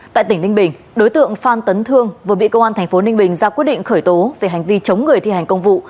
tại tỉnh ninh bình đối tượng phan tấn thương vừa bị công an tp ninh bình ra quyết định khởi tố về hành vi chống người thi hành công vụ